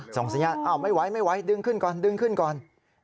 ส่งสัญญาณอ้าวไม่ไหวไม่ไหวดึงขึ้นก่อนดึงขึ้นก่อน